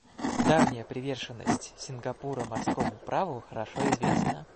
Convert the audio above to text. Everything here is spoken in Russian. Давняя приверженность Сингапура морскому праву хорошо известна.